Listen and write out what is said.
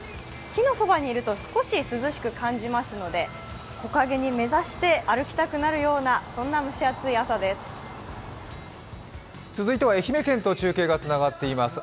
木のそばにいると少し涼しく感じますので木陰に目指して歩きたくなるような、そんな蒸し暑い朝です。